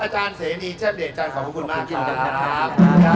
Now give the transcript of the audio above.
อาจารย์เสนีเจ๊บเด็กจานขอบคุณมากครับ